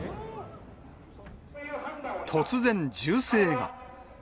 突然、銃声が。